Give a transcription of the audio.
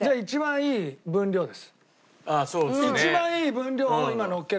一番いい分量を今のっけたんです。